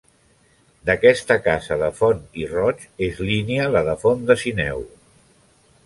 D'aquesta casa de Font i Roig és línia la de Font de Sineu.